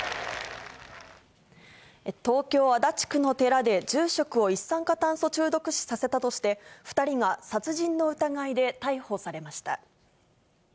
東京・足立区の寺で、住職を一酸化炭素中毒死させたとして、２人が殺人の疑いで逮捕されました。